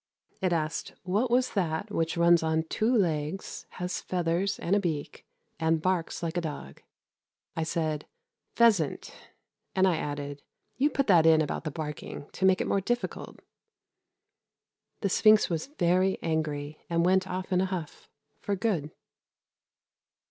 It asked what was that which runs on two legs, has feathers and a beak, and barks like a dog. I said "pheasant," and I added, "You put that in about the barking to make it more difficult." The Sphinx was very angry and went off in a huff, for good.